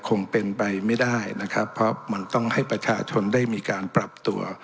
คงเป็นไปไม่ได้นะครับเพราะมันต้องให้ประชาชนได้มีการปรับตัว